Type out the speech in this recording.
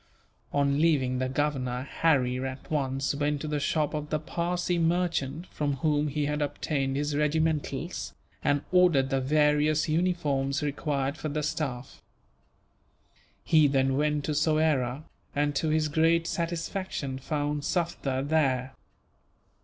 On leaving the Governor, Harry at once went to the shop of the Parsee merchant from whom he had obtained his regimentals, and ordered the various uniforms required for the staff. He then went to Soyera and, to his great satisfaction, found Sufder there.